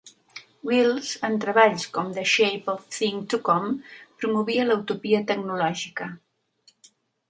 Wells, en treballs como The Shape of Things to Come promovia la utopia tecnològica.